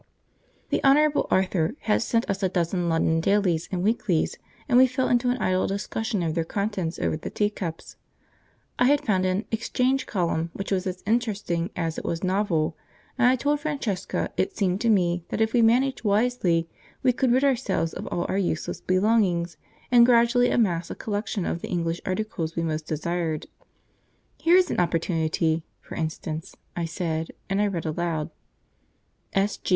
The Honourable Arthur had sent us a dozen London dailies and weeklies, and we fell into an idle discussion of their contents over the teacups. I had found an 'exchange column' which was as interesting as it was novel, and I told Francesca it seemed to me that if we managed wisely we could rid ourselves of all our useless belongings, and gradually amass a collection of the English articles we most desired. "Here is an opportunity, for instance," I said, and I read aloud "'S.G.